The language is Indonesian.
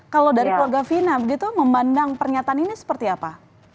kalau dari keluarga fina begitu memandang pernyataan ini seperti apa